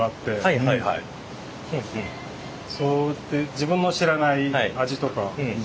自分の知らない味とか。